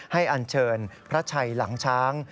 อันเชิญพระชัยหลังช้าง